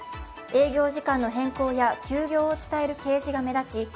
営業時間の変更や休業を伝える掲示が目立ち